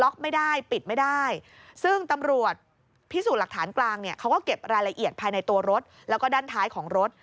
เขาก็เก็บรายละเอียดภายในตัวรถแล้วก็ด้านท้ายของรถ